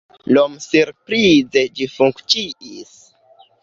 Iom surprize, ĝi funkciis.